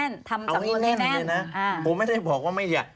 เอาให้แน่นเลยนะ